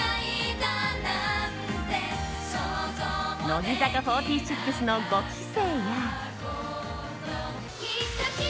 乃木坂４６の５期生や。